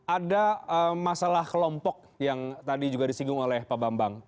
ada masalah kelompok yang tadi juga disinggung oleh pak bambang